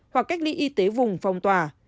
hoặc cách ly y tế vùng phòng tòa